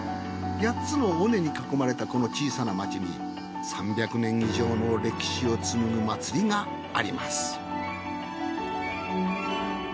８つの尾根に囲まれたこの小さな町に３００年以上の歴史を紡ぐ祭りがあります。